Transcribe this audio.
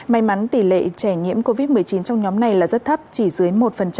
may mắn tỷ lệ trẻ nhiễm covid một mươi chín trong nhóm này là rất thấp chỉ dưới một